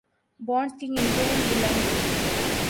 bonds کی قیمتیں بلند تھیں